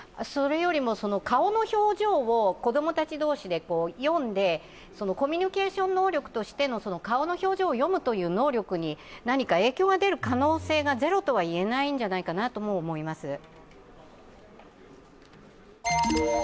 それよりも顔の表情を子供たち同士で読んでコミュニケーション能力としての顔の表情を読むという能力に何か影響が出る可能性がゼロとは言えないんじゃないかと思います。